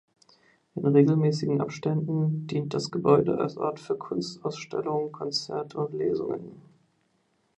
In regelmäßigen Abständen dient das Gebäude als Ort für Kunstausstellungen, Konzerte und Lesungen.